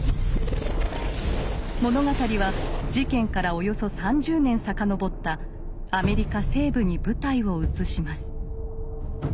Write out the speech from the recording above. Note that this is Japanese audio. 物語は事件からおよそ３０年遡ったアメリカ西部に舞台を移します。